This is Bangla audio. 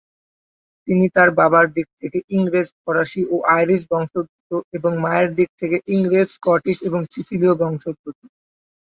তিনি তার বাবার দিক থেকে ইংরেজ, ফরাসি ও আইরিশ বংশোদ্ভূত এবং মায়ের দিক থেকে ইংরেজ, স্কটিশ এবং সিসিলীয় বংশোদ্ভূত।